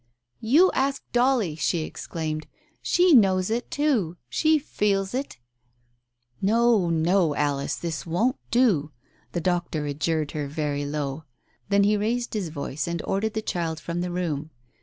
"You ask Dolly," she exclaimed. "She knows it, too — she feels it." "No, no, Alice, this won't do !" the doctor adjured her very low. Then he raised his voice and ordered the child from the room.